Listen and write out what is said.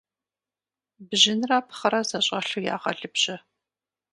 Бжьынрэ пхъырэ зэщӀэлъу ягъэлыбжьэ.